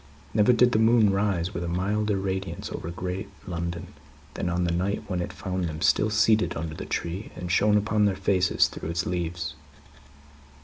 Never did the moon rise with a milder radiance over great London, than on that night when it found them still seated under the tree, and shone upon their faces through its leaves.